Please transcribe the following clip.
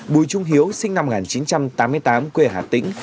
bùi trung hiếu sinh năm một nghìn chín trăm tám mươi tám quê hà tĩnh